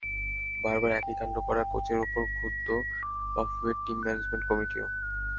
বারবার একই কাণ্ড করায় কোচের ওপর ক্ষুব্ধ বাফুফের টিম ম্যানেজমেন্ট কমিটিও।